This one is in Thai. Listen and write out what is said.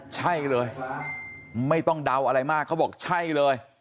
ใช่เลยไม่ต้องเดาอะไรมากเขาบอกใช่เลย